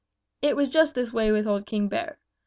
It was just this way with old King Bear.